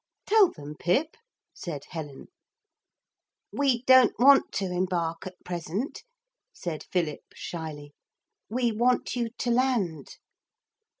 'Tell them, Pip,' said Helen. 'We don't want to embark at present,' said Philip shyly. 'We want you to land.'